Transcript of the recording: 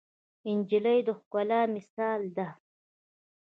نجلۍ د ښکلا مثال ده.